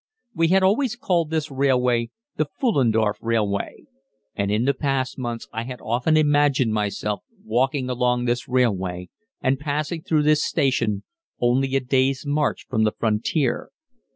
We had always called this railway the "Pfullendorf railway," and in the past months I had often imagined myself walking along this railway and passing through this station, only a day's march from the frontier.